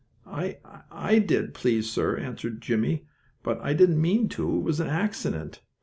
"I I did, please sir," answered Jimmie. "But I didn't mean to. It was an accident."